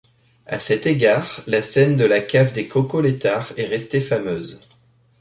À cet égard, la scène de la cave des Coco-Létart est restée fameuse.